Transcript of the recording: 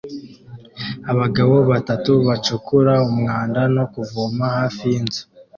Abagabo batatu bacukura umwanda no kuvoma hafi yinzu